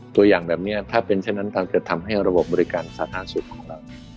ตัวอย่างแบบนี้ถ้าเป็นเช่นนั้นถ้าเกิดทำให้ระบบบริการสาธารณสุขของเรา